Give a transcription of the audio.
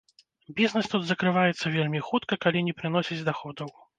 Бізнес тут закрываецца вельмі хутка, калі не прыносіць даходаў.